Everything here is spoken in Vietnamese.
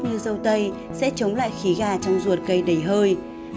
như dâu tây sẽ chống lại khí gà trong ruột cây đầy hơi